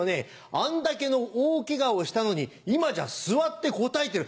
あんだけの大ケガをしたのに今じゃ座って答えてる」。